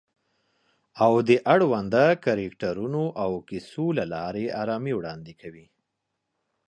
او د اړونده کرکټرونو او کیسو له لارې آرامي وړاندې کوي